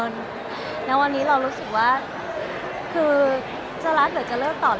แล้ววันนี้เรารู้สึกว่าคือจะรักหรือจะเลิกตอบ